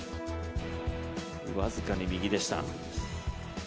僅かに右でした。